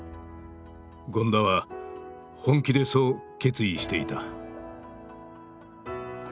権田は本気でそう決意していた。